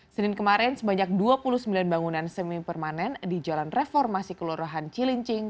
senin kemarin sebanyak dua puluh sembilan bangunan semi permanen di jalan reformasi kelurahan cilincing